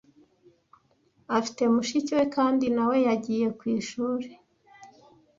Afite mushiki we kandi na we yagiye ku ishuri.